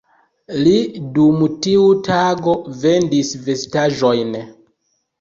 Li dum tiu tago vendis vestaĵojn.